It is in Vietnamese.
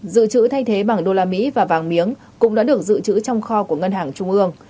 dự trữ thay thế bảng đô la mỹ và vàng miếng cũng đã được dự trữ trong kho của ngân hàng trung ương